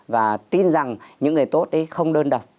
và tin rằng những người tốt ấy không đơn đặt